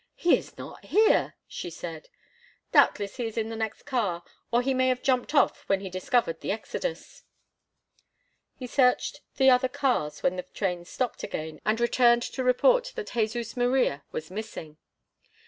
"He is not here!" she said. "Doubtless he is in the next car, or he may have jumped off when he discovered the exodus." He searched the other cars when the train stopped again, and returned to report that Jesus Maria was missing.